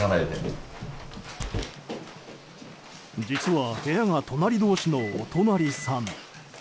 実は部屋が隣同士のお隣さん。